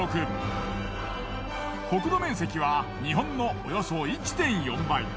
国土面積は日本のおよそ１．４倍。